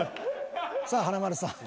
さあ華丸さん。